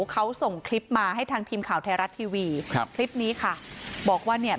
เขาส่งคลิปมาให้ทางทีมข่าวไทยรัฐทีวีครับคลิปนี้ค่ะบอกว่าเนี่ย